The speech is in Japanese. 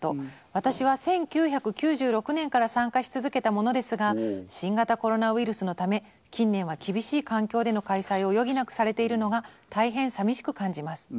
私は１９９６年から参加し続けた者ですが新型コロナウイルスのため近年は厳しい環境での開催を余儀なくされているのが大変さみしく感じます。